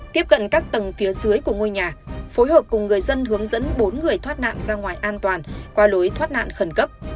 tiếp cận các tầng phía dưới của ngôi nhà phối hợp cùng người dân hướng dẫn bốn người thoát nạn ra ngoài an toàn qua lối thoát nạn khẩn cấp